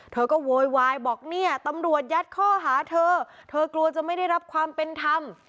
เธอก็โวยวายบอกเนี่ยตำรวจยัดข้อหาเธอเธอกลัวจะไม่ได้รับความเป็นธรรม